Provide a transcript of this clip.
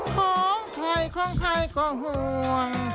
ของใครของใครก็ห่วง